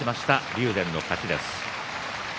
竜電の勝ちです。